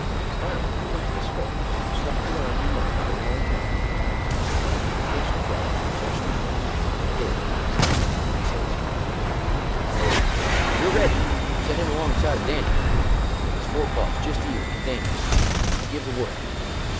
Smiley he went to the swamp and slopped around in the mud for a long time, and finally he ketched a frog, and fetched him in, and give him to this feller, and says: "Now, if you're ready, set him alongside of Dan'l, with his forepaws just even with Dan'l's, and I'll give the word."